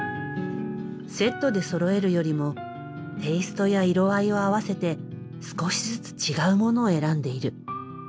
セットでそろえるよりもテイストや色合いを合わせて少しずつ違うものを選んでいる。